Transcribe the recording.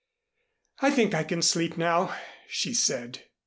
"I think I can sleep now," she said.